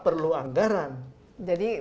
perlu anggaran jadi